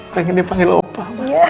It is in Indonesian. pengen dipanggil opa